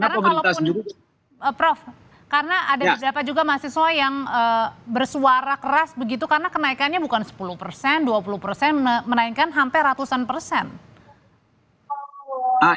karena kalaupun prof karena ada beberapa juga mahasiswa yang bersuara keras begitu karena kenaikannya bukan sepuluh persen dua puluh persen menaikkan hampir ratusan persen